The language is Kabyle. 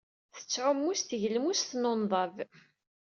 Tettɛumu s tgelmust n unḍab.